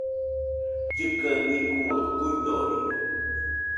Llɨkɨaɨ icuaɨ kuidori